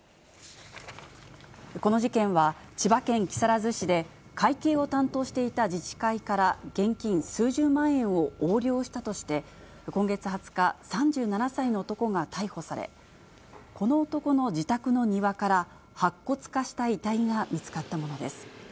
この事件は、千葉県木更津市で会計を担当していた自治会から、現金数十万円を横領したとして、今月２０日、３７歳の男が逮捕され、この男の自宅の庭から白骨化した遺体が見つかったものです。